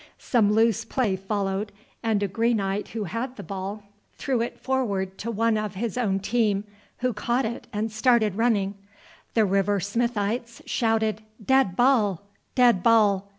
Some loose play followed, and a Greenite who had the ball threw it forward to one of his own team, who caught it and started running. The River Smithites shouted "Dead ball!" "Dead ball!"